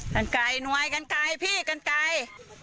กันไกลหน่วยกันไกลพี่กันไกล